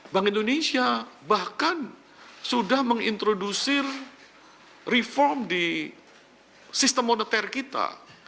bank indonesia bahkan sudah mengintrodusir reform di sistem moneter kita